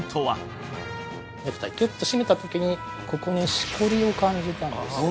キュッと締めた時にここにしこりを感じたんですよ